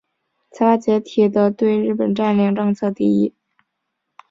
财阀解体的对日本占领政策之一。